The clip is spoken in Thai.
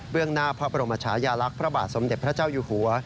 หน้าพระบรมชายาลักษณ์พระบาทสมเด็จพระเจ้าอยู่หัว